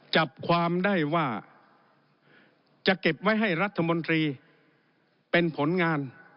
จับความได้ว่าจะเก็บไว้ให้รัฐมนตรีเป็นผลงาน